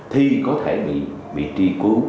thì có thể bị tri cứu